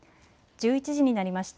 １１時になりました。